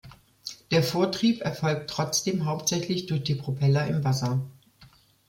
Der Vortrieb erfolgt trotzdem hauptsächlich durch die Propeller im Wasser.